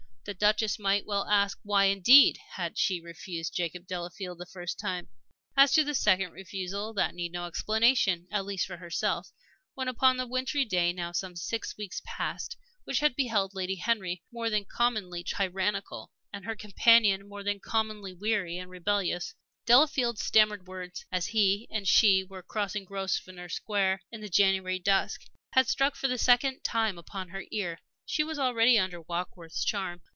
The Duchess might well ask: why, indeed, had she refused Jacob Delafield that first time? As to the second refusal, that needed no explanation, at least for herself. When, upon that winter day, now some six weeks past, which had beheld Lady Henry more than commonly tyrannical, and her companion more than commonly weary and rebellious, Delafield's stammered words as he and she were crossing Grosvenor Square in the January dusk had struck for the second time upon her ear, she was already under Warkworth's charm.